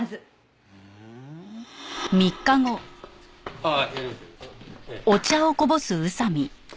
ああ！